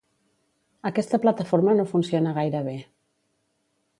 Aquesta plataforma no funciona gaire bé.